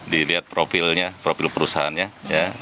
dilihat profilnya profil perusahaannya ya